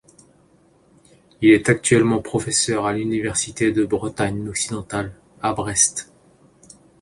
Il est actuellement professeur à l'Université de Bretagne occidentale, à Brest.